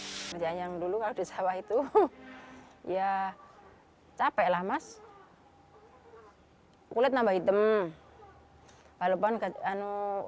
tapi kalau di sini ya sedengar lah mas ya tapi kulitnya kuning itulah tidak hitam